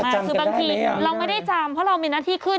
คือบางทีเราไม่ได้จำเพราะเรามีหน้าที่ขึ้น